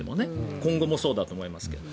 今後もそうだと思いますけども。